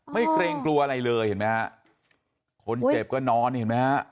เกรงกลัวอะไรเลยเห็นไหมฮะคนเจ็บก็นอนเห็นไหมฮะ